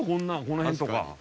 この辺とか。